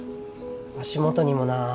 足元にもな。